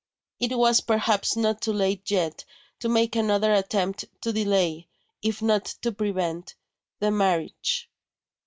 It was perhaps not too late yet to make another attempt to delay (if not to prevent) the marriage.